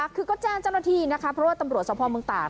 คือก็แจ้งเจ้าหน้าที่นะคะเพราะว่าตำรวจสภเมืองตาก